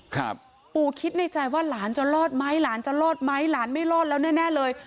ปู่คิดในใจว่าหลานจะรอดไหมหลานจะรอดไหมหลานไม่รอดแล้วแน่แน่เลย